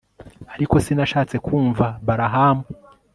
ariko sinashatse kumva balahamu